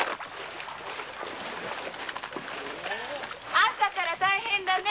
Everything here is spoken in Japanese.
朝から大変だねえ！